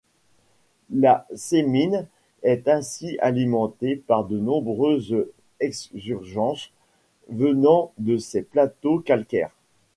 La Semine est ainsi alimentée par de nombreuses exsurgences venant de ces plateaux calcaires.